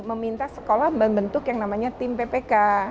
meminta sekolah membentuk yang namanya tim ppk